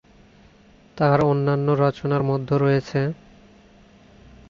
তার অন্যান্য রচনার মধ্যে রয়েছেঃ